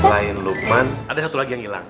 selain lukman ada satu lagi yang hilang